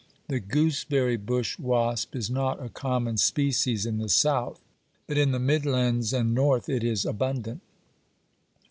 The gooseberry bush wasp is not a common species in the south, but in the midlands and north it is abundant.